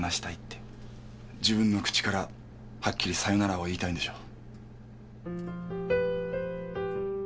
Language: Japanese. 自分の口からはっきりさよならを言いたいんでしょ。